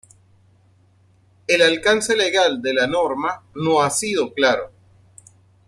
El alcance legal de la norma no ha sido claro.